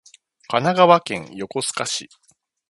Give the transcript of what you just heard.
神奈川県横須賀市